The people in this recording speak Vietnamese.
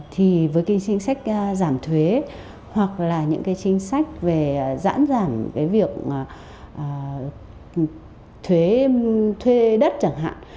thì với cái chính sách giảm thuế hoặc là những cái chính sách về giãn giảm cái việc thuế thuê đất chẳng hạn